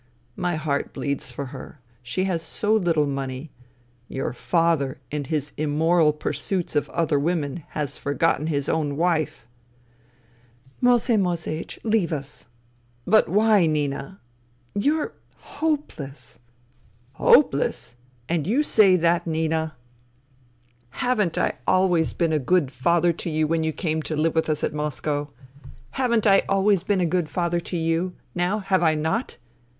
My heart bleeds for her. She has so little money Your father in his immoral pursuits of other women has forgotten his own wife." " Moesei Moeseiech, leave us." " But why, Nina ?"" You're ... hopeless." " Hopeless ? And you say that, Nina. Haven't 48 FUTILITY I always been a good father to you when you came to hve with us at Moscow ? Haven't I always been a good father to you ? Now, have I not